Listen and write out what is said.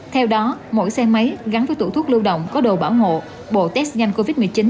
theo đó mỗi xe máy gắn với tủ thuốc lưu động có đồ bảo hộ bộ test nhanh covid một mươi chín